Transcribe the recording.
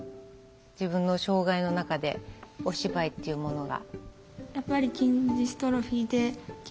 自分の障害の中でお芝居っていうものが。